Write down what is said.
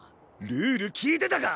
ルール聞いてたか？